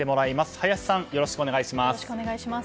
林さん、よろしくお願いします。